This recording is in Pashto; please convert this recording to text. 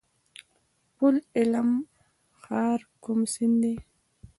پل علم ښار کوم سیند لري؟